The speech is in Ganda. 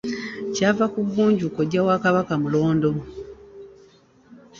Kyava ku Ggunju kojja wa Kabaka Mulondo.